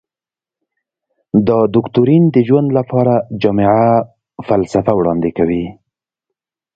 دا دوکتورین د ژوند لپاره جامعه فلسفه وړاندې کوي.